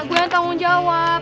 gue yang tanggung jawab